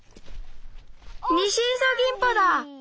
ニシイソギンポだ！